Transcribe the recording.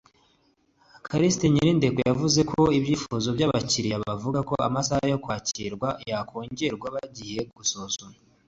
Callixte Nyirindekwe yavuze ko ibyifuzo by’abakiriya bavuga ko amasaha yo kubakira yakongerwa bigiye gusuzumwa